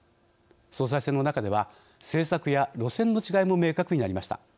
総裁選の中では政策や路線の違いも明確になりました。